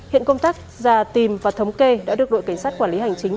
hiện công tác ra tìm và thống kê đã được đội cảnh sát quản lý hành chính